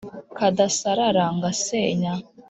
kadasarara ngasenya;